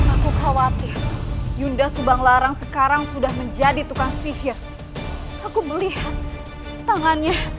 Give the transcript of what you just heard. aku khawatir yunda subang larang sekarang sudah menjadi tukang sihir aku melihat tangannya